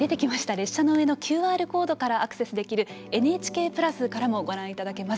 列車の上のＱＲコードからアクセスできる「ＮＨＫプラス」からもご覧いただけます。